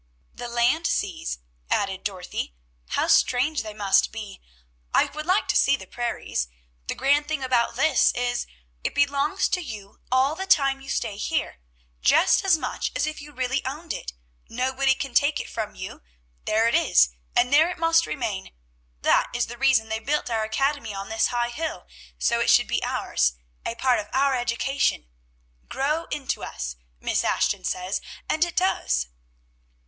"The land seas," added Dorothy. "How strange they must be! I would like to see the prairies. "The grand thing about this is, it belongs to you all the time you stay here, just as much as if you really owned it; nobody can take it from you; there it is, and there it must remain. That is the reason they built our academy on this high hill, so it should be ours, a part of our education, 'Grow into us,' Miss Ashton says, and it does."